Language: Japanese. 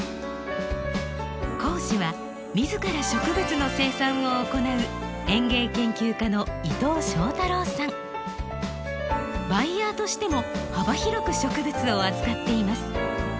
講師は自ら植物の生産を行うバイヤーとしても幅広く植物を扱っています。